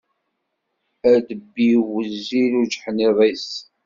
Adebbiw wezzil ujeḥniḍ-is.